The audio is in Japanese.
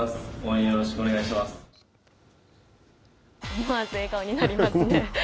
思わず笑顔になりますね。